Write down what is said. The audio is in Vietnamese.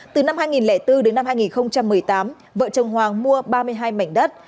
từ năm hai nghìn bốn đến năm hai nghìn một mươi tám vợ chồng hoàng mua ba mươi hai mảnh đất